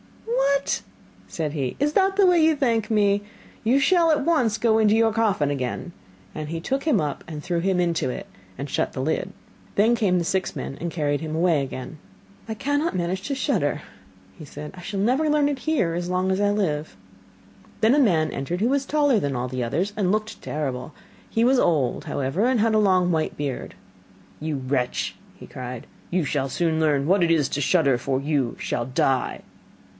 'What!' said he, 'is that the way you thank me? You shall at once go into your coffin again,' and he took him up, threw him into it, and shut the lid. Then came the six men and carried him away again. 'I cannot manage to shudder,' said he. 'I shall never learn it here as long as I live.' Then a man entered who was taller than all others, and looked terrible. He was old, however, and had a long white beard. 'You wretch,' cried he, 'you shall soon learn what it is to shudder, for you shall die.